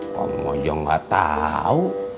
kamu aja nggak tahu